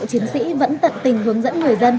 chiến sĩ vẫn tận tình hướng dẫn người dân